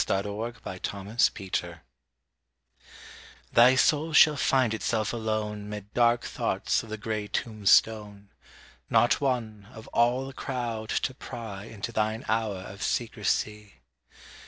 SPIRITS OF THE DEAD Thy soul shall find itself alone 'Mid dark thoughts of the grey tomb stone; Not one, of all the crowd, to pry Into thine hour of secrecy.